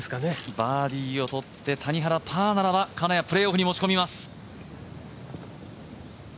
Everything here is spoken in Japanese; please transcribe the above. バーディーをとって谷原パーならば金谷プレーオフに持ち込みます。